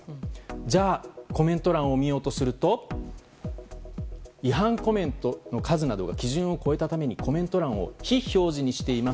じゃあ、コメント欄を見ようとすると違反コメント数などが基準を超えたためにコメント欄を非表示にしています。